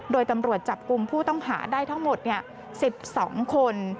โดยตำรวจจับกลุ่มผู้ต้องหาได้ทั้งหมด๑๒คน